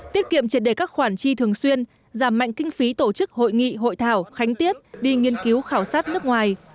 tiết kiệm triệt đề các khoản chi thường xuyên giảm mạnh kinh phí tổ chức hội nghị hội thảo khánh tiết đi nghiên cứu khảo sát nước ngoài